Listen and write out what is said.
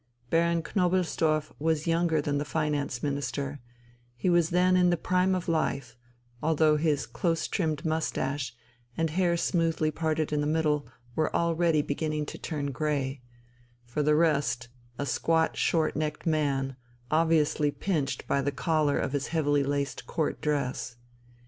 Baron Knobelsdorff was younger than the Finance Minister; he was then in the prime of life, although his close trimmed moustache and hair smoothly parted in the middle were already beginning to turn grey for the rest a squat, short necked man, obviously pinched by the collar of his heavily laced court dress.